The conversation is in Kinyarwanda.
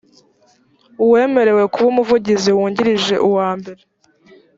uwemerewe kuba umuvugizi wungirije wa mbere